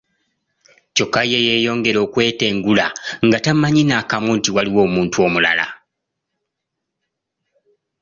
Kyokka ye yeeyongera okwetentegula nga tamanyi n'akamu nti waliwo omuntu omulala.